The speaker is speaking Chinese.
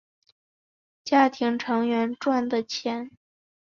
家庭成员赚的钱